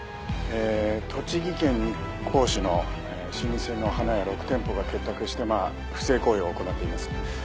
え栃木県日光市の老舗の花屋６店舗が結託して不正行為を行っています。